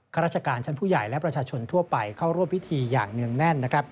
ราชการชั้นผู้ใหญ่และประชาชนทั่วไปเข้าร่วมพิธีอย่างเนื่องแน่น